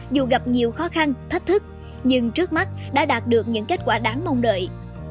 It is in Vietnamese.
dù gặp nhiều khó khăn thách thức nhưng trước mắt đã đạt được những kết quả đáng mong đợi